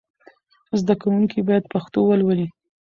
زدهکوونکي باید پښتو ولولي.